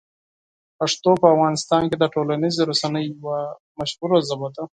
پښتو په افغانستان کې د ټولنیزو رسنیو یوه مشهوره ژبه ده.